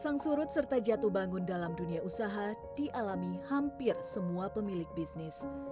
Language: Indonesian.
pasang surut serta jatuh bangun dalam dunia usaha dialami hampir semua pemilik bisnis